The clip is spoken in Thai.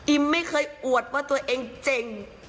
ไม่เคยอวดว่าตัวเองเจ๋ง